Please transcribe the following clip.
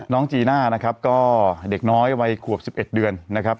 จีน่านะครับก็เด็กน้อยวัยขวบ๑๑เดือนนะครับ